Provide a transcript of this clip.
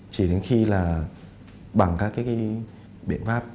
chỉ đến khi là bằng các cái biện pháp